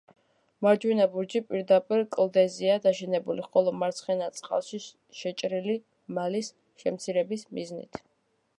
მარჯვენა ბურჯი პირდაპირ კლდეზეა დაშენებული, ხოლო მარცხენა წყალში შეჭრილი მალის შემცირების მიზნით.